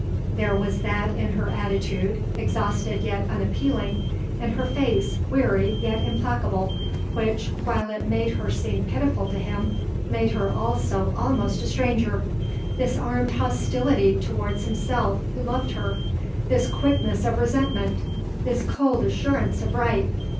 There was that in her attitude, exhausted yet unappealing, in her face, weary yet implacable, which, while it made her seem pitiful to him, made her also almost a stranger; this armed hostility towards himself, who loved her, this quickness of resentment, this cold assurance of right.